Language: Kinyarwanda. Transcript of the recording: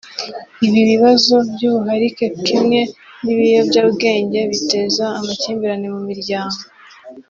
Ibi bibazo by’ubuharike kimwe n’ibiyobyabwenge biteza amakimbirane mu miryango